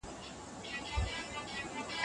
د ښار دروازې کومو لوریو ته خلاصېدي؟